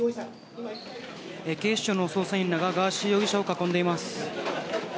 警視庁の捜査員らがガーシー容疑者を囲んでいます。